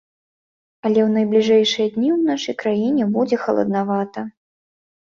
Але ў найбліжэйшыя дні ў нашай краіне будзе халаднавата.